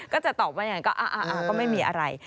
ก็จะตอบว่าอย่างนี้อ่าก็ไม่มีอะไร